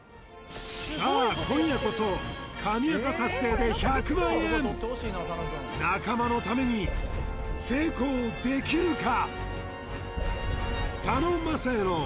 さあ今夜こそ神業達成で１００万円仲間のために成功できるか？